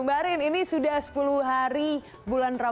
waalaikumsalam warahmatullahi wabarakatuh